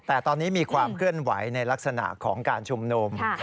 แต่ตอนนี้มีความเคลื่อนไหวในลักษณะของการชุมนุม